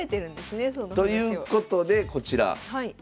その話を。ということでこちら。